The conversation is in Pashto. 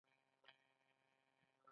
اودایپور د جهیلونو ښار دی.